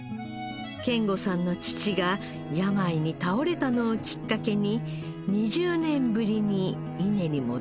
賢吾さんの父が病に倒れたのをきっかけに２０年ぶりに伊根に戻りました